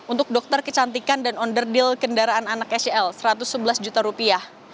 untuk dokter kecantikan dan under deal kendaraan anak scl satu ratus sebelas juta rupiah